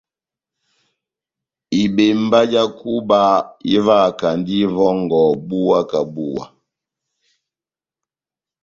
Ibembá já kuba ivahakand'ivòngò buwa kà buwa.